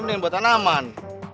mendingan buat tanaman